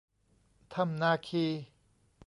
ถ้ำนาคี